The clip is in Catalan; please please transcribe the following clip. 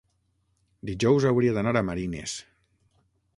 Dijous hauria d'anar a Marines.